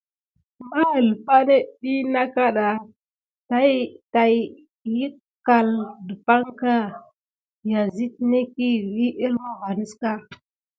Mahəlfa net ɗyi nakaɗa tayəckal dəpaŋka, ya zət necki vi əlma vanəska.